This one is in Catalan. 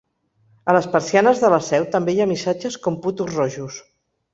A les persianes de la seu també hi ha missatges com ‘putos rojos’.